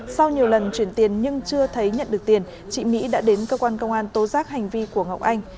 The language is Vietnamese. sau nhiều lần chuyển tiền nhưng chưa thấy nhận được tiền chị mỹ đã đến cơ quan công an tố giác hành vi của ngọc anh